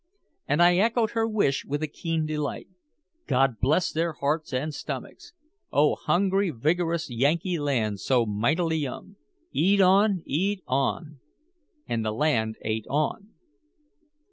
And I echoed her wish with a keen delight. God bless their hearts and stomachs. Oh, hungry vigorous Yankee land, so mightily young eat on, eat on! And the land ate on.